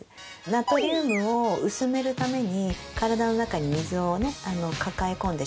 ナトリウムを薄めるために体の中に水をね抱え込んでしまいますので。